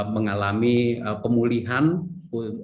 mengalami pemulihan dan penerimaan